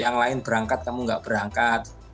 yang lain berangkat kamu nggak berangkat